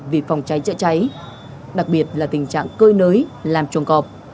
vì phòng cháy chữa cháy đặc biệt là tình trạng cơi nới làm chuồng cọp